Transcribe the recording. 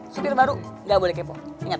supir baru gak boleh kepo ingat